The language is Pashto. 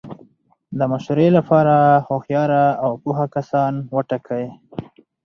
د مشورې له پاره هوښیار او پوه کسان وټاکئ!